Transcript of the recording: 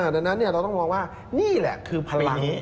ดังนั้นเราต้องมองว่านี่แหละคือพลัง